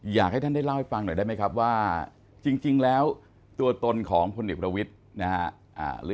อยากให้ท่านได้เล่าให้ฟังหน่อยได้ไหมครับว่าจริงแล้วตัวตนของพลเอกประวิทย์นะฮะ